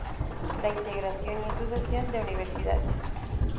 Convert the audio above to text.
La integración y Asociación de Universidades.